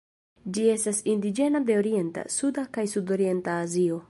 Ĝi estas indiĝena de Orienta, Suda kaj Sudorienta Azio.